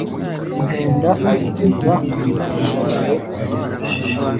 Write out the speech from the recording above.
impenda ayigeza mu ijabiro rye.